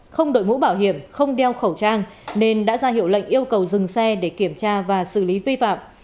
không đội mũ bảo hiểm không đeo khẩu trang nên đã ra hiệu lệnh yêu cầu dừng xe để kiểm tra và xử lý vi phạm